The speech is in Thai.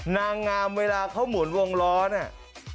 นางงามเวลาเขาหมุนวงล้อเนี่ย